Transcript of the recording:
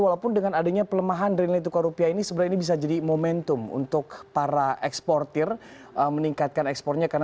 walaupun dengan adanya pelemahan dari nilai tukar rupiah ini sebenarnya ini bisa jadi momentum untuk para eksportir meningkatkan ekspornya